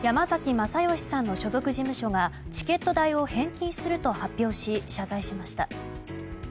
まさよしさんの所属事務所がチケット代を返金すると発表し謝罪しました。